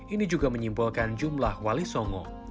ini juga menyimbolkan jumlah wali songo